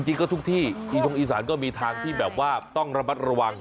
จริงก็ทุกที่อีทงอีสานก็มีทางที่แบบว่าต้องระมัดระวัง